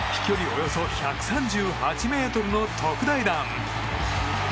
およそ１３８ｍの特大弾！